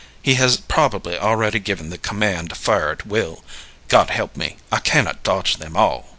He has probably already given the command to fire at will. God help me, I cannot dodge them all!"